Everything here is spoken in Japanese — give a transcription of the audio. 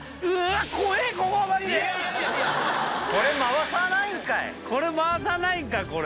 これ回さないんかいこれ。